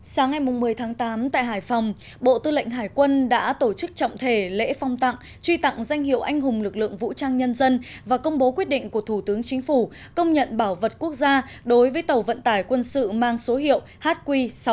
sáng ngày một mươi tháng tám tại hải phòng bộ tư lệnh hải quân đã tổ chức trọng thể lễ phong tặng truy tặng danh hiệu anh hùng lực lượng vũ trang nhân dân và công bố quyết định của thủ tướng chính phủ công nhận bảo vật quốc gia đối với tàu vận tải quân sự mang số hiệu hq sáu trăm sáu mươi tám